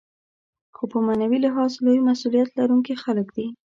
خو په معنوي لحاظ لوی مسوولیت لرونکي خلک دي.